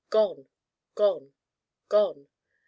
Gone, gone, gone.